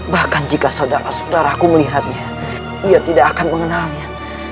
bahkan jika saudara saudaraku melihatnya ia tidak akan mengenalnya